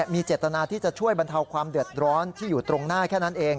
มีเจตนาที่จะช่วยบรรเทาความเดือดร้อนที่อยู่ตรงหน้าแค่นั้นเอง